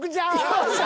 よっしゃ！